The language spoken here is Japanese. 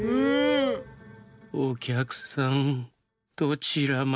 『おきゃくさんどちらまで？』。